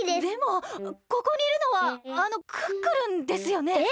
でもここにいるのはあのクックルンですよね？